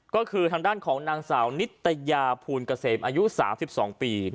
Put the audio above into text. ก็คือทางด้านของนางสาวนิตยาภูลเกษมอายุ๓๒ปี